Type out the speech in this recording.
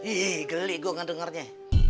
ih geli gua ngedengarnya